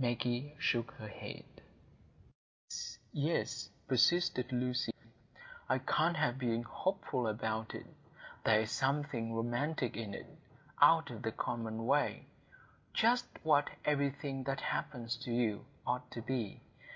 Maggie shook her head. "Yes, yes," persisted Lucy; "I can't help being hopeful about it. There is something romantic in it,—out of the common way,—just what everything that happens to you ought to be.